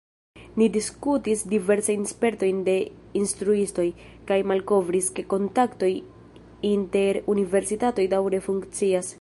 Ni diskutis diversajn spertojn de instruistoj, kaj malkovris, ke kontaktoj inter universitatoj daŭre funkcias.